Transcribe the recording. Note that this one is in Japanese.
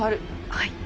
はい。